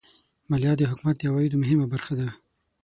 مالیه د حکومت د عوایدو مهمه برخه ده.